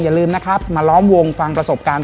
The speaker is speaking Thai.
อย่าลืมนะครับมาล้อมวงฟังประสบการณ์